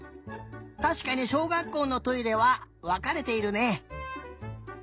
たしかにしょうがっこうのトイレはわかれているね。